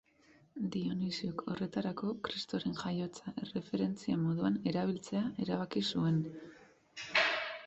Dionisiok horretarako Kristoren jaiotza erreferentzia moduan erabiltzea erabaki zuen.